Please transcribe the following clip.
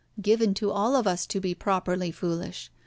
given to all of us to be properly foolish.